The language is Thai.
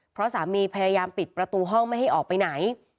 เพราะสามีพยายามปิดประตูห้องไม่ให้ออกไปไหน